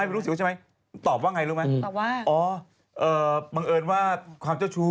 อาจจะแต่งก็ได้นะใครจะไม่รู้